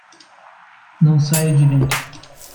Não saia de dentro